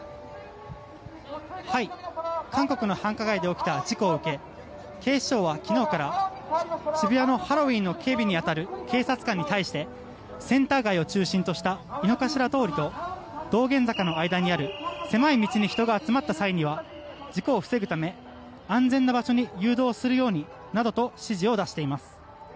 韓国の繁華街で起きた事故を受け警視庁は、昨日から渋谷のハロウィーンの警備に当たる警察官に対してセンター街を中心とした井の頭通りと道玄坂の間にある狭い道に人が集まった際には事故を防ぐため安全な場所に誘導するようになどと指示を出しています。